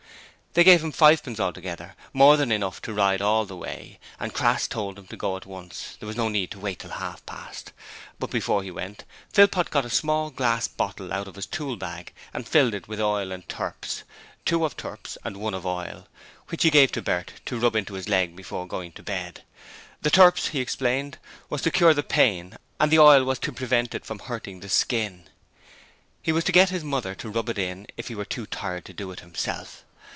They gave him fivepence altogether, more than enough to ride all the way; and Crass told him to go at once there was no need to wait till half past; but before he went Philpot got a small glass bottle out of his tool bag and filled it with oil and turps two of turps and one of oil which he gave to Bert to rub into his leg before going to bed: The turps he explained was to cure the pain and the oil was to prevent it from hurting the skin. He was to get his mother to rub it in for him if he were too tired to do it himself.